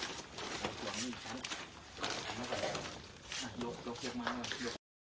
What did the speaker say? หลบเทียบมาหน่อย